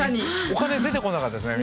お金出てこなかったですね